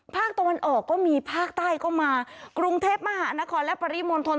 ภาคตะวันออกก็มีภาคใต้ก็มากรุงเทพมหานครและปริมณฑล